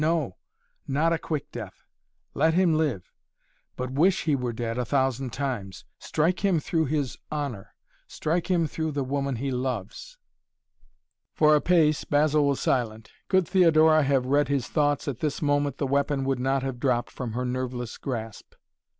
No! Not a quick death! Let him live, but wish he were dead a thousand times. Strike him through his honor. Strike him through the woman he loves." For a pace Basil was silent. Could Theodora have read his thoughts at this moment the weapon would not have dropped from her nerveless grasp.